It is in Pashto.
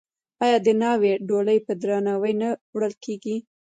آیا د ناوې ډولۍ په درناوي نه وړل کیږي؟